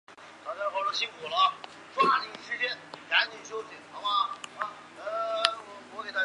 这是新加坡首次参加冬季奥林匹克运动会。